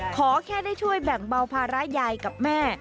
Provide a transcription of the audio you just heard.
ขอแค่ได้ช่วยแบ่งเบาภาระยายกับแม่